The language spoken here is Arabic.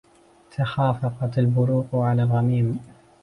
تخافقت البروق على الغميم